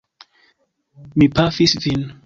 Mi pafis vin!